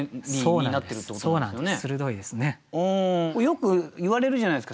よくいわれるじゃないですか。